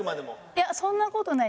いやそんな事ない。